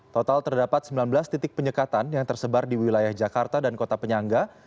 total terdapat sembilan belas titik penyekatan yang tersebar di wilayah jakarta dan kota penyangga